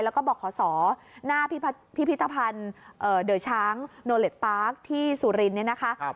แล้วก็บอกขอสอหน้าพิพิตภัณฑ์เดอร์ช้างโนเลสต์ปาร์คที่สุรินทร์